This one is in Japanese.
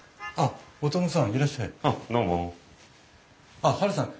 あっハルさん。